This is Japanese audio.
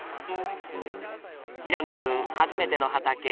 平野君初めての畑。